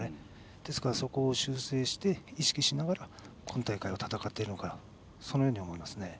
ですからそこを修正して意識しながら今大会は戦っていると思います。